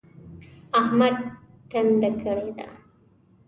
احمد ټنډه کړې ده.